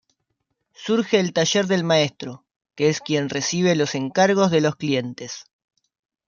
Surge el taller del maestro, que es quien recibe los encargos de los clientes.